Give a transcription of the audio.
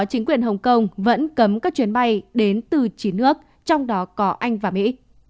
chính quyền hồng kông vẫn cấm các chuyến bay đến từ chín nước trong đó có anh và mỹ